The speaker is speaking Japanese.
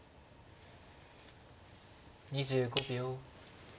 ２５秒。